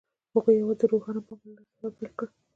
هغوی یوځای د روښانه بام له لارې سفر پیل کړ.